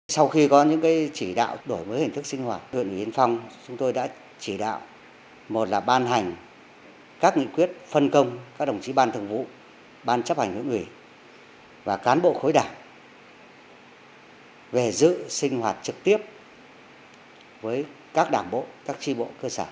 sau khi có những chỉ đạo đổi mới hình thức sinh hoạt huyện ủy yên phong chúng tôi đã chỉ đạo một là ban hành các nghị quyết phân công các đồng chí ban thường vụ ban chấp hành huyện ủy và cán bộ khối đảng về dự sinh hoạt trực tiếp với các đảng bộ các tri bộ cơ sở